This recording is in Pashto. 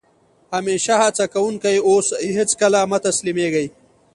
همېشه هڅه کوونکی اوسى؛ هېڅ کله مه تسلیمېږي!